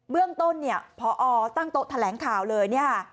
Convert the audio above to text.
เบื้องต้นพอตั้งโต๊ะแถลงข่าวเลย